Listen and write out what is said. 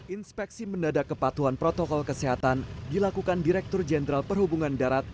inspeksi mendadak kepatuhan protokol kesehatan dilakukan direktur jenderal perhubungan darat